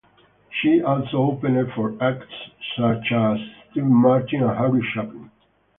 She also opened for acts such as Steve Martin and Harry Chapin.